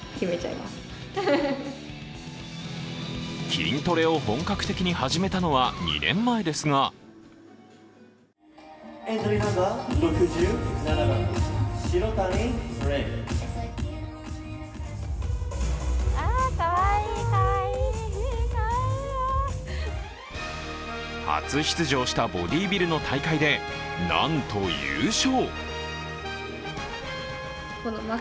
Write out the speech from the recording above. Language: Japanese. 筋トレを本格的に始めたのは２年前ですが初出場したボディビルの大会でなんと優勝。